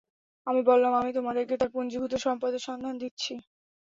আমি বললাম, আমি তোমাদেরকে তার পুঞ্জিভূত সম্পদের সন্ধান দিচ্ছি।